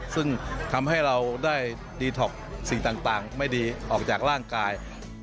ซึ่งทำให้เราได้ดีท็อกสิ่งต่างไม่ดีออกจากร่างกาย